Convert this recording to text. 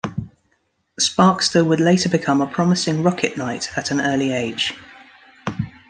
Sparkster would later become a promising Rocket Knight at an early age.